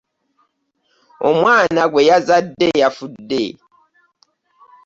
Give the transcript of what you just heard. Omwana gwe yazadde yafudde.